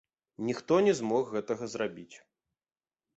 Ніхто не змог гэтага зрабіць.